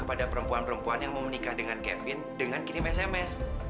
pada perempuan perempuan yang mau menikah dengan kevin dengan kirim sms